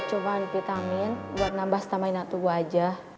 cuma vitamin buat nambah stamina tubuh aja